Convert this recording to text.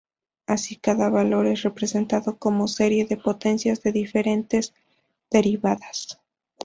Así, cada valor es representado como serie de potencias de diferentes derivadas.